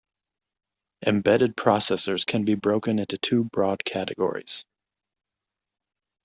Embedded processors can be broken into two broad categories.